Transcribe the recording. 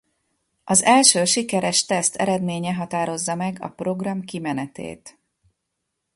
Az első sikeres teszt eredménye határozza meg a program kimenetét.